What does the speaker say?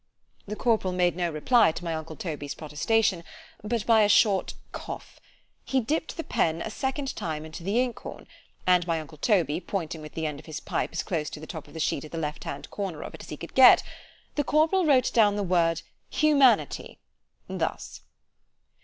The corporal made no reply to my uncle Toby's protestation, but by a short cough—he dipp'd the pen a second time into the inkhorn; and my uncle Toby, pointing with the end of his pipe as close to the top of the sheet at the left hand corner of it, as he could get it——the corporal wrote down the word H U M A N I T Y thus.